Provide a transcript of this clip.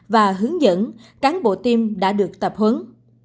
và hướng dẫn cán bộ tiêm đã được tập huấn